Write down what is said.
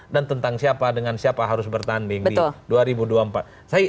dan tentang siapa dengan siapa harus bertanding di dua ribu dua puluh empat